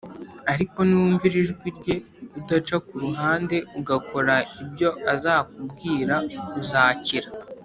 Ariko niwumvira ijwi rye udaca ku ruhande ugakora ibyo azakubwira uzakira